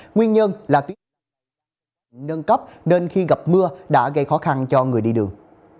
nguyên nhân là tuyến đường bị nâng cấp nên khi gặp mưa đã gây khó khăn cho người đi đường